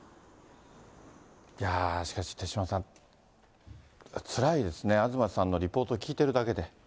しかし手嶋さん、つらいですね、東さんのリポート聞いてるだけで。